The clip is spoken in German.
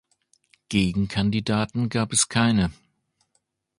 Gegenkandidaten gab es keine.